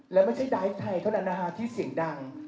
แล้วไม่ใช่ไดท์ไทยเท่านั้นนะคะที่เสียงดัง